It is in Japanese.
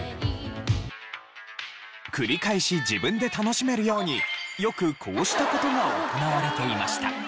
繰り返し自分で楽しめるようによくこうした事が行われていました。